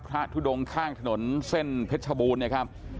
ทุดงข้างถนนเส้นเพชรชบูรณ์นะครับ